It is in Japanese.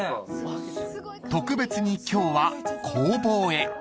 ［特別に今日は工房へ］